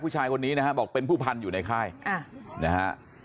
ผู้ชายคนนี้นะฮะบอกเป็นผู้พันอยู่ในค่ายนะฮะ